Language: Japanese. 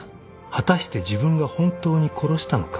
［果たして自分が本当に殺したのか？］